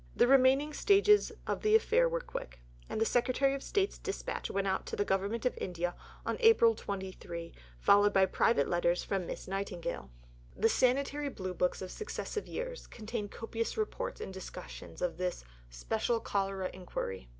The remaining stages of the affair were quick, and the Secretary of State's dispatch went out to the Government of India on April 23, followed by private letters from Miss Nightingale. The Sanitary Blue books of successive years contain copious reports and discussions upon this "Special Cholera Inquiry."